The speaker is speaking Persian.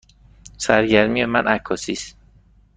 سرگرمی من عکاسی است.